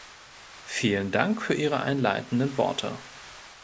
Vielen Dank für Ihre einleitenden Worte.